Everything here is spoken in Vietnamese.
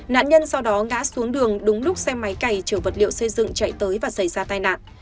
nạn nhân sau đó ngã xuống đường đúng lúc xe máy cày chở vật liệu xây dựng chạy tới và xảy ra tai nạn